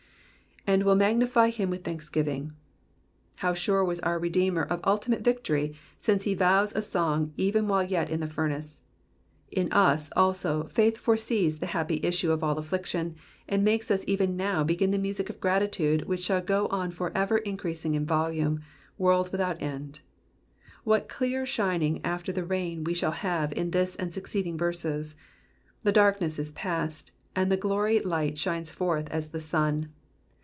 '''•And will magnify him with thanksgiving.'''' How sure was our Redeemer of ultimate victory, since he vows a song even whDe yet in the furnace. In us, also, faith foresees the happy issue of all affliction, and makes us even now begin the music of gratitude which shall go on for ever increasing in volume, world without end. What clear shining after the rain we have in this and succeeding verses. The darkness is past, and the glory light shines forth as the sun.